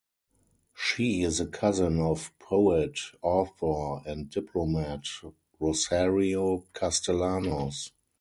She is a cousin of poet, author, and diplomat Rosario Castellanos.